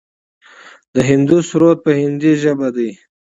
د هندو سرود په هندۍ ژبه دی.